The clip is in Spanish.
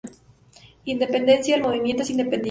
Independencia: El Movimiento es independiente.